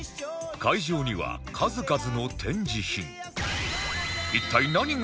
会場には数々の展示品